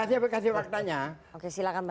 ya sudah saya kasih faktanya